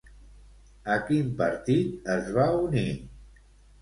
A quin partit es va unir?